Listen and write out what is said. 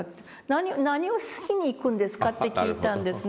何をしに行くんですか？」って聞いたんですね。